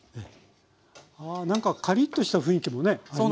あ何かカリッとした雰囲気もねありますよね。